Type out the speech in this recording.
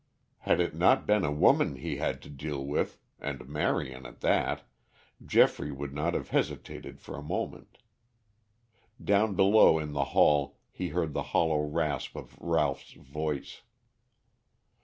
Had it not been a woman he had to deal with, and Marion at that, Geoffrey would not have hesitated for a moment. Down below in the hall he heard the hollow rasp of Ralph's voice.